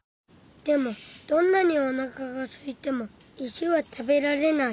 でもどんなにおなかがすいても石はたべられない。